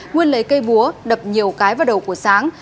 nguyên lấy cây búa đập nhiều cái vào đầu của sáng